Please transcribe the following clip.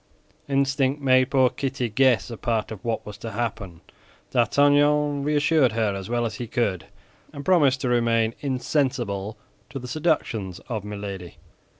Instinct made poor Kitty guess a part of what was to happen. D'Artagnan reassured her as well as he could, and promised to remain insensible to the seductions of Milady.